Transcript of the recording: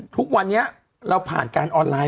ทุกวันนี้เราผ่านการออนไลน